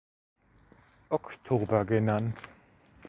Oktober“ genannt.